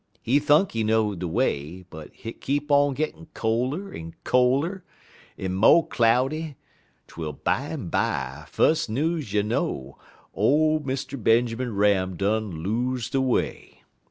He thunk he know de way, but hit keep on gittin' col'er en col'er, en mo' cloudy, twel bimeby, fus' news you know, ole Mr. Benjermun Ram done lose de way.